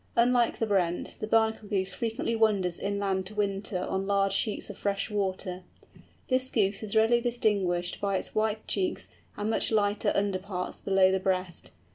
Unlike the Brent, the Bernacle Goose frequently wanders inland to winter on large sheets of fresh water. This Goose is readily distinguished by its white cheeks, and much lighter underparts below the breast.